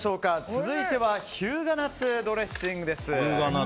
続いては日向夏ドレッシングです。